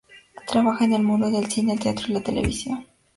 Trabaja en el mundo del cine, el teatro y la televisión.